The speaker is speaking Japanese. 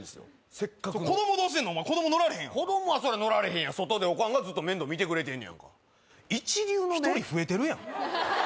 せっかくの子供どうしてんの乗られへんやん子供はそりゃ乗られへんやん外でおかんがずっと面倒みてくれてんねやんか一流のねテーマパークで１人増えてるやん